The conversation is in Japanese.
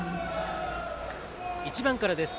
１番からです。